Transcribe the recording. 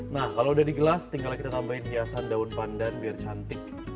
nah kalau udah digelas tinggal kita tambahin hiasan daun pandan biar cantik